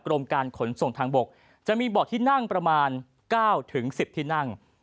กรมการขนส่งทางบกจะมีเบาะที่นั่งประมาณ๙๑๐ที่นั่ง